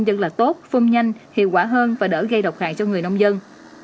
sản phẩm này rất là tốt phun nhanh hiệu quả hơn và đỡ gây độc hại cho người nông dân